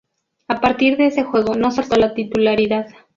A partir de ese juego no soltó la titularidad.